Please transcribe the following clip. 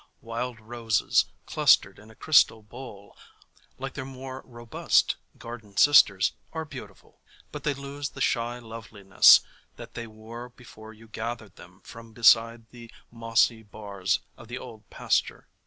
Wild Roses clustered in a crystal bowl, like their more robust garden sisters, are beautiful, but they lose the shy loveliness that they wore before you gathered them from beside the mossy bars of the old pasture.